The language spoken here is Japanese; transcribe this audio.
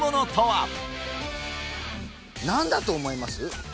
何だと思います？